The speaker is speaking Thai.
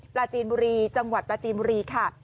ปลาจีนบุรีจังหวัดปราจีนบุรีค่ะ